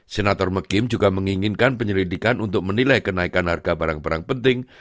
senator mekim juga menginginkan penyelidikan untuk menilai kenaikan harga barang barang penting